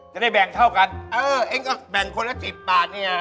จะได้แบ่งเท่ากันเออเองก็แบ่งคนละสิบบาทเนี่ย